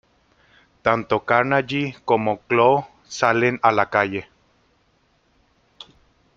Tanto Carnage como Klaw salen a la calle.